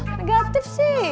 ah negatif sih